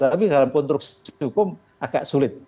tapi dalam konstruksi hukum agak sulit